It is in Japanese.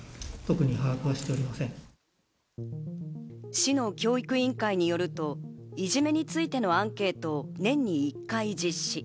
市の教育委員会によると、いじめについてのアンケートを年に一回実施。